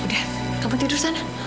udah kamu tidur sana